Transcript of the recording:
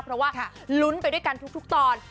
เพราะว่าลุ้นไปด้วยกันทุกตอน